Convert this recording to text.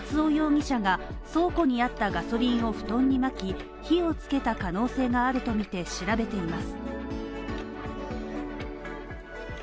警察は松尾容疑者が倉庫にあったガソリンを布団にまき、火をつけた可能性があるとみて調べています。